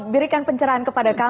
berikan pencerahan kepada kami